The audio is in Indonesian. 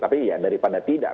tapi ya daripada tidak